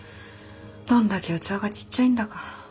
どんだけ器がちっちゃいんだか。